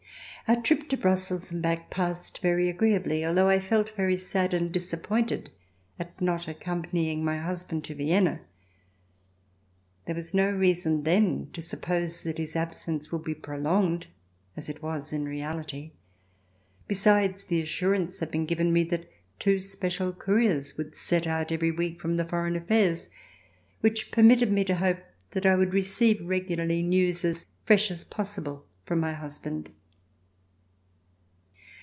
Our trip to Brussels and back passed very agree ably, although I felt very sad and disappointed at not accompanying my husband to Vienna. There was no reason then to suppose that his absence would be prolonged as it was in reality. Besides, the assurance had been given me that two special couriers would set out every week from the Foreign Affairs which permitted me to hope that I would receive regularly news as fresh as possible from my husband.